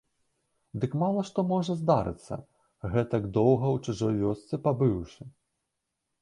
Дык мала што можа здарыцца, гэтак доўга ў чужой вёсцы пабыўшы.